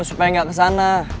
supaya gak kesana